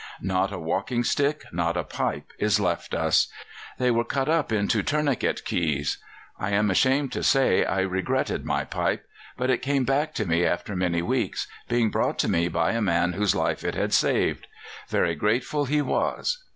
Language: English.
Not a walking stick, not a pipe is left us: they were cut up into tourniquet keys. I am ashamed to say I regretted my pipe; but it came back to me after many weeks, being brought to me by the man whose life it had saved. Very grateful he was.